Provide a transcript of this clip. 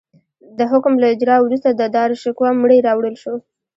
د حکم له اجرا وروسته د داراشکوه مړی راوړل شو.